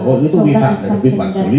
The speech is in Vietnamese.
rồi chúng tôi vi phạm là được viên quản xử lý